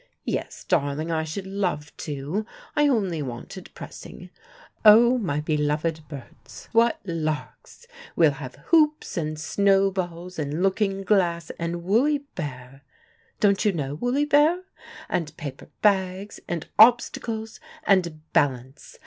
"Yes, darling, I should love to. I only wanted pressing. Oh, my beloved Berts, what larks! We'll have hoops, and snowballs, and looking glass, and wooly bear don't you know wooly bear? and paper bags and obstacles, and balance.